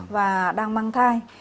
và đang mang thai